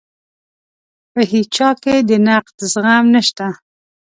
په هیچا کې د نقد زغم نشته.